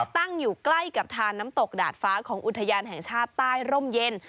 ตั้งอยู่ใกล้กับทานน้ำตกดาดฟ้าของอุทยานแห่งชาติใต้ร่มเย็น